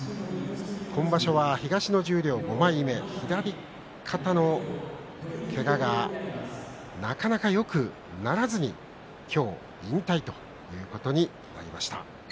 今場所は東の十両５枚目左肩のけががなかなかよくならずに今日、引退ということになりました。